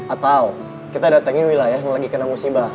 atau kita datangin wilayah yang lagi kena musibah